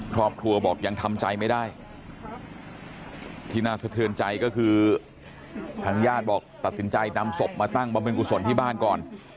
ครอบครัวบอกยังทำใจไม่ได้ที่น่าสะเทือนใจก็คือทางญาติบอกตัดสินใจนำศพมาตั้งบำเพ็ญกุศลที่บ้านก่อน